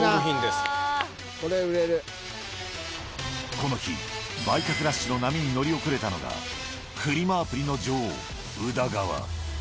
これ、この日、売却ラッシュの波に乗り遅れたのが、フリマアプリの女王、宇田川。